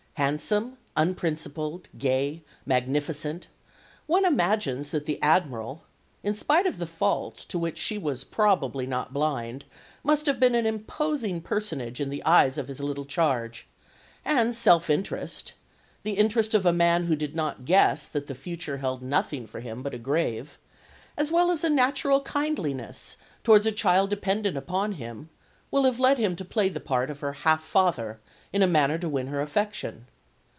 Handsome, unprincipled, gay, magnificent, one imagines that the Admiral, in spite of the faults to which she was probably not blind, must have been an imposing personage in the eyes of his little charge; and self interest the interest of a man who did not guess that the future held nothing for him but a grave as well as natural kindliness towards a child dependent upon him, will have led him to play the part of her "half father" in a manner to win her affection.